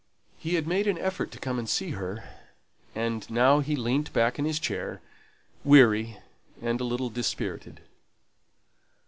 He had made an effort to come and see her; and now he leant back in his chair, weary and a little dispirited.